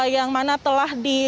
yang mana telah dikonsumsi